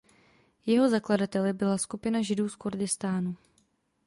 Jeho zakladateli byla skupina Židů z Kurdistánu.